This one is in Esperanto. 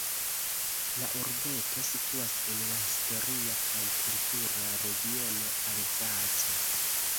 La urbeto situas en la historia kaj kultura regiono Alzaco.